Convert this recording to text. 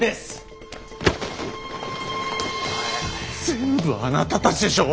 全部あなたたちでしょ。